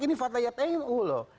ini fatlayat nu loh